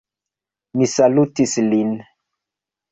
Mi salutis lin.